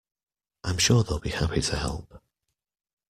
I'm sure they'll be happy to help.